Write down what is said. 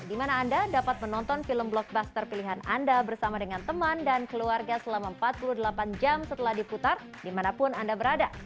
di mana anda dapat menonton film blockbuster pilihan anda bersama dengan teman dan keluarga selama empat puluh delapan jam setelah diputar dimanapun anda berada